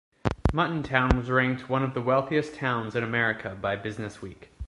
Muttontown was ranked one of the wealthiest towns in America by "BusinessWeek".